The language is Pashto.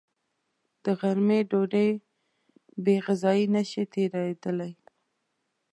د غرمې ډوډۍ بېغذايي نشي تېرېدلی